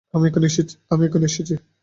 আমি এখুনি আসছি।